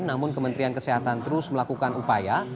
namun kementerian kesehatan terus melakukan upaya